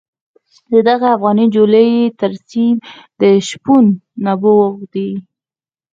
د دغې افغاني جولې ترسیم د شپون نبوغ دی.